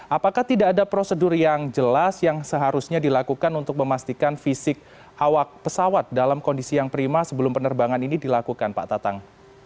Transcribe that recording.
apakah tidak ada prosedur yang jelas yang seharusnya dilakukan untuk memastikan fisik awak pesawat dalam kondisi yang prima sebelum penerbangan ini dilakukan pak tatang